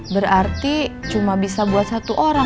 berarti cuma bisa buat satu orang